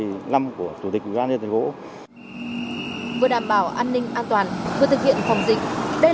vừa đảm bảo an ninh an toàn vừa thực hiện phòng dịch